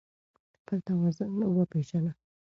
خپل توان وپېژنه